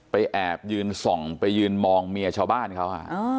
แอบยืนส่องไปยืนมองเมียชาวบ้านเขา